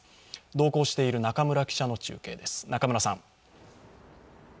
同行している中村記者の中継です。